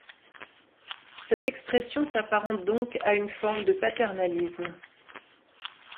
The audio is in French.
Cette expression s'apparente donc à une forme de paternalisme.